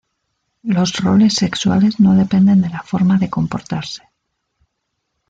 Los roles sexuales no dependen de la forma de comportarse.